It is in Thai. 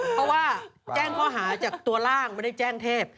เพราะว่าแจ้งข้อหาจากตัวร่างไม่ได้แจ้งเทพ